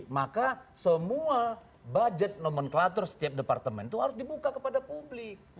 maka semua budget nomenklatur setiap departemen itu harus dibuka kepada publik